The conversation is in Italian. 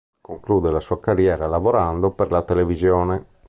Conclude la sua carriera lavorando per la televisione.